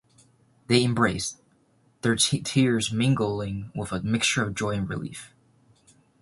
They embraced, their tears mingling with a mixture of joy and relief.